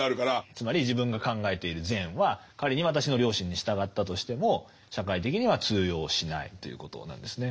つまり自分が考えている善は仮に私の良心に従ったとしても社会的には通用しないということなんですね。